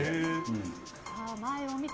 前を見て。